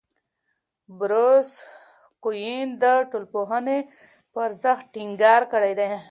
بروس کوئن د ټولنپوهنې په ارزښت ټینګار کړی دی.